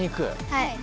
はい。